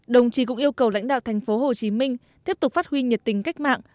đồng chí cũng yêu cầu lãnh đạo thành phố hồ chí minh tiếp tục phát huy nhiệt tình cách mạng